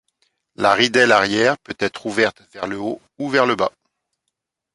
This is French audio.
La ridelle arrière peut être ouverte vers le haut ou vers le bas.